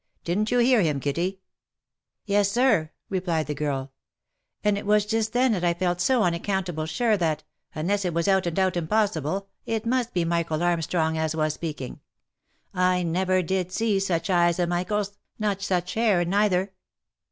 Didn't you hear him, Kitty ?"" Yes, sir," replied the girl, " and it was just then as I felt so un accountable sure that, unless it was out and out impossible, it must be Michael Armstrong as was speaking. I never did see such eyes a Michael's, nor such hair neither."